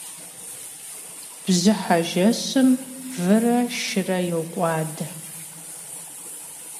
Bjıhe jjeşım vıre şşıre yok'uade.